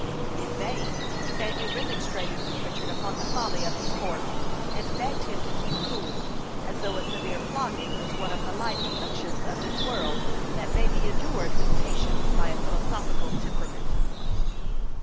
In vain Sandy remonstrated with Richard upon the folly of his course, and begged him to keep cool, as though a severe flogging was one of the light afflictions of this world, that may be endured with patience by a philosophical temperament.